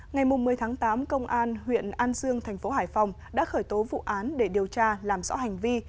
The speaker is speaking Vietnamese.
ngày một mươi tháng tám công an huyện an dương thành phố hải phòng đã khởi tố vụ án để điều tra làm rõ hành vi